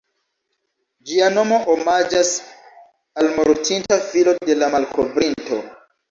Ĝia nomo omaĝas al mortinta filo de la malkovrinto.